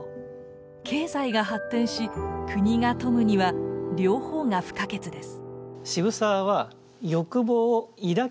経済が発展し国が富むには両方が不可欠です。